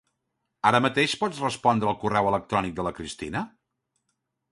Ara mateix pots respondre al correu electrònic de la Cristina?